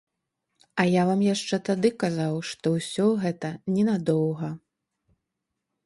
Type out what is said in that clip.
А я вам яшчэ тады казаў, што ўсё гэта ненадоўга!